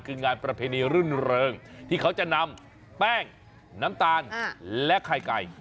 คืองานประเพณีรุ่นเริงที่เขาจะนำแป้งน้ำตาลและไข่ไก่